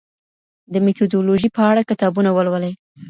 د میتودولوژي په اړه کتابونه ولولئ.